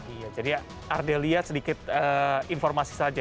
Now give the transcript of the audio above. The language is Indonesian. iya jadi ya ardelia sedikit informasi saja